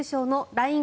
ＬＩＮＥ